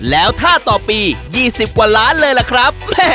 แล้วท่าต่อปี๒๐กว่าล้านเลยล่ะครับ